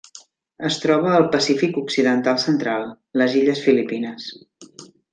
Es troba al Pacífic occidental central: les illes Filipines.